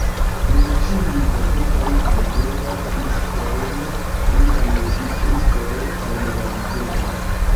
Kun ĉiuj gazetoj, vi trovas diskon pri la muzikistoj en la gazeto.